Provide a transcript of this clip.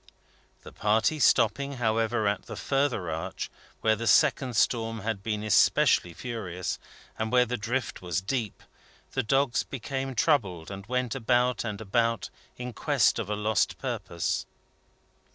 The party stopping, however, at the further arch, where the second storm had been especially furious, and where the drift was deep, the dogs became troubled, and went about and about, in quest of a lost purpose.